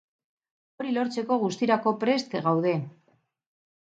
Hori lortzeko guztirako prest gaude.